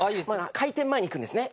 開店前に行くんですね。